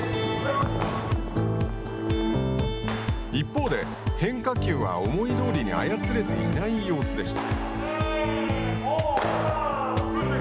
一方で変化球は思いどおりに操れていない様子でした。